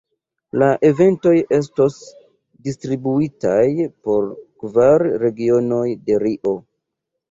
La eventoj estos distribuitaj po kvar regionoj de Rio.